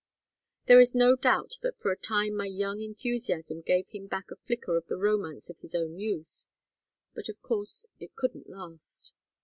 "There is no doubt that for a time my young enthusiasm gave him back a flicker of the romance of his own youth, but of course it couldn't last.